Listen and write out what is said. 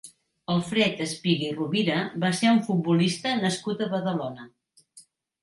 Alfred Espiga i Rovira va ser un futbolista nascut a Badalona.